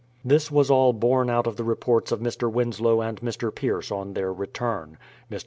This was all borne out by the reports of Mr. Winslow and Mr. Pierce on their return. Mr.